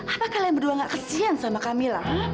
apakah kamu berdua nggak kesian sama kamila